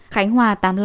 khánh hòa tám mươi năm